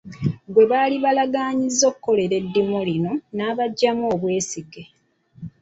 Gwe baali balaganyizza okukolera eddimo lino n'abaggyamu obw’esige.